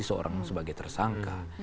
seorang sebagai tersangka